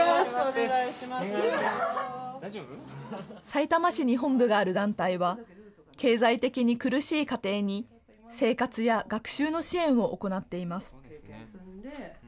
さいたま市に本部がある団体は経済的に苦しい家庭に生活や学習の支援を行っています。